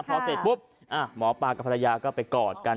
พอเสร็จปุ๊บหมอปลากับภรรยาก็ไปกอดกัน